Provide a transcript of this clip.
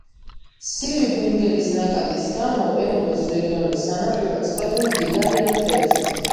ცივი ბენგელის ნაკადის გამო ერონგოს რეგიონის სანაპირო წყლები მდიდარია თევზით.